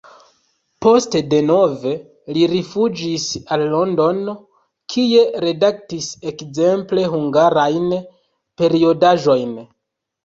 Poste denove li rifuĝis al Londono, kie redaktis ekzemple hungarajn periodaĵojn.